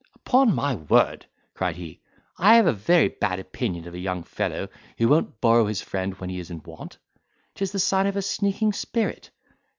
"Upon my word," cried he, "I have a very bad opinion of a young fellow who won't borrow of his friend when he is in want—'tis the sign of a sneaking spirit.